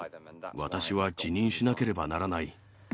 私は辞任しなければならない。